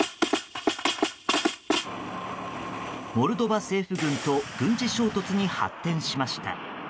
モルドバ政府軍と軍事衝突に発展しました。